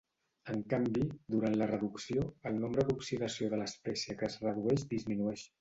En canvi, durant la reducció, el nombre d'oxidació de l'espècie que es redueix disminueix.